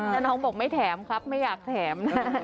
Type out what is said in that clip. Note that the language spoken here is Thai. แล้วน้องบอกไม่แถมครับไม่อยากแถม